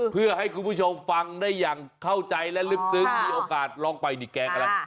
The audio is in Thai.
เพื่อให้คุณผู้ชมฟังได้อย่างเข้าใจและลึกซึ้งมีโอกาสลองไปนี่แกงอะไร